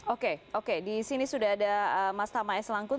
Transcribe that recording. oke oke di sini sudah ada mas tama s langkun